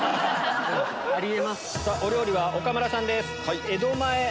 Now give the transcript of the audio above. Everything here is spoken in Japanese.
お料理は岡村さんです。